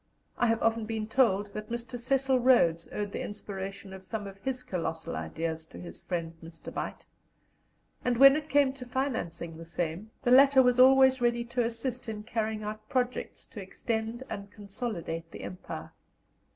I have often been told that Mr. Cecil Rhodes owed the inspiration of some of his colossal ideas to his friend Mr. Beit, and when it came to financing the same, the latter was always ready to assist in carrying out projects to extend and consolidate the Empire.